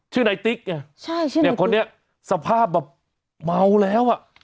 ชื่อนายติ๊กไงใช่ชื่อเนี่ยคนนี้สภาพแบบเมาแล้วอ่ะ